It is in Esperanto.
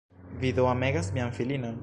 Vi do amegas mian filinon?